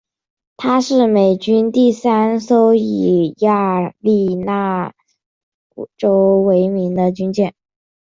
她是美军第三艘以亚利桑那州为名的军舰。